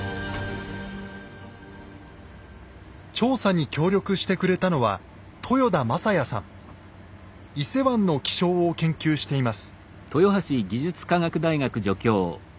調査に協力してくれたのは伊勢湾の気象を研究しています。